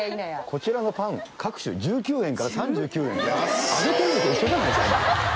「こちらのパン各種１９円３９円」。